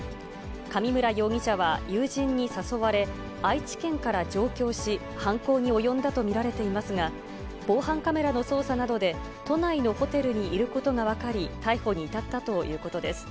上村容疑者は友人に誘われ、愛知県から上京し、犯行に及んだと見られていますが、防犯カメラの捜査などで、都内のホテルにいることが分かり、逮捕に至ったということです。